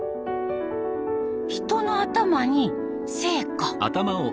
人の頭に生花。